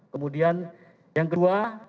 kemudian yang kedua